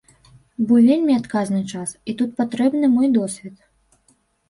Бо вельмі адказны час, і тут патрэбны мой досвед.